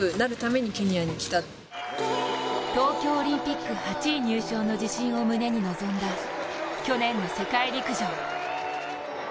東京オリンピック８位入賞の自信を胸に臨んだ去年の世界陸上。